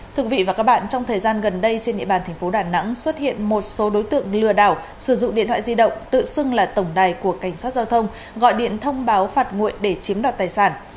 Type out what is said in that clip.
thưa quý vị và các bạn trong thời gian gần đây trên địa bàn thành phố đà nẵng xuất hiện một số đối tượng lừa đảo sử dụng điện thoại di động tự xưng là tổng đài của cảnh sát giao thông gọi điện thông báo phạt nguội để chiếm đoạt tài sản